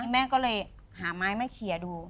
แม่ก็เลยหาไม้มาเคลียร์ดู